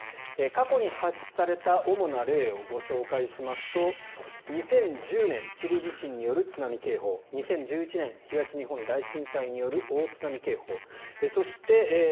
過去に発出された主な例をご紹介しますと２０１０年チリ地震による津波警報２０１１年、東日本大震災による大津波警報。